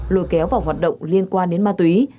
lôi kéo vào hoạt động liên quan đến ma túy